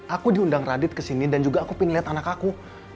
aku diundang radit kesini dan juga aku pingin lihat anak aku